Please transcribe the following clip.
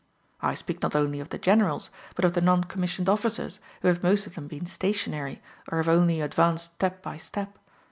I speak not only of the generals, but of the non commissioned officers, who have most of them been stationary, or have only advanced step by step.